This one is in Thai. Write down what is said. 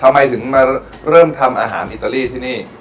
ทำไมถึงมาเริ่มทำอาหารอิตาลีที่นี่